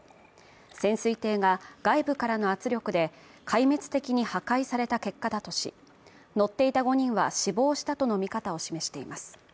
潜水艇が外部からの圧力で壊滅的に破壊された結果だとし、乗っていた５人は死亡したとの見方を示しています。